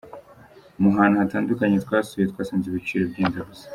Mu hantu hatandukanye twasuye twasanze ibiciro byenda gusa.